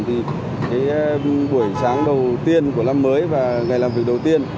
thì cái buổi sáng đầu tiên của năm mới và ngày làm việc đầu tiên